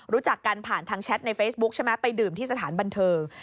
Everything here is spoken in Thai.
รู้จักกันผ่านทางแชทในเฟซบุ๊คใช่ไหมไปดื่มที่สถานบันเทิง